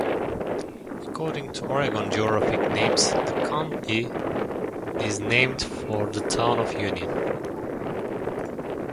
According to "Oregon Geographic Names", the county is named for the town of Union.